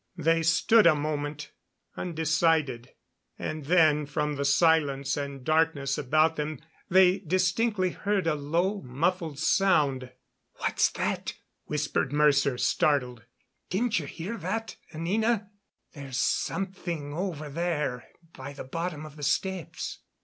They stood a moment, undecided, and then from the silence and darkness about them they distinctly heard a low muffled sound. "What's that?" whispered Mercer, startled. "Didn't you hear that, Anina? There's something over there by the bottom of the steps."